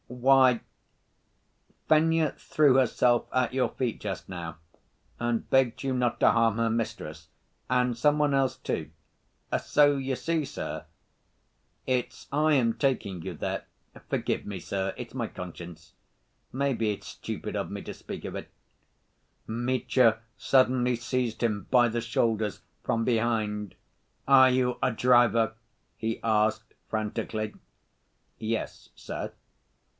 "Why, Fenya threw herself at your feet just now, and begged you not to harm her mistress, and some one else, too ... so you see, sir— It's I am taking you there ... forgive me, sir, it's my conscience ... maybe it's stupid of me to speak of it—" Mitya suddenly seized him by the shoulders from behind. "Are you a driver?" he asked frantically. "Yes, sir."